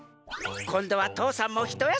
こんどは父山もひとやすみ。